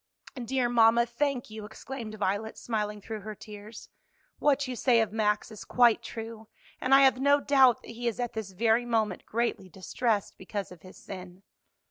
"Dear mamma, thank you!" exclaimed Violet, smiling through her tears. "What you say of Max is quite true, and I have no doubt that he is at this very moment greatly distressed because of his sin."